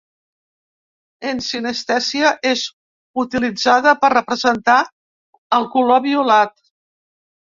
En sinestèsia és utilitzada per representar el color violat.